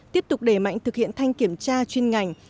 tiếp tục đẩy mạnh thực hiện thanh kiểm tra chuyên ngành